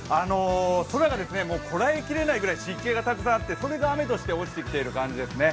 空がこらえきれないぐらい湿気がたくさんあってそれが雨として落ちてきている感じですね。